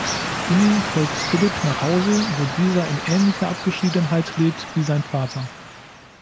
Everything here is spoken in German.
Inni folgt Philip nach Hause, wo dieser in ähnlicher Abgeschiedenheit lebt wie sein Vater.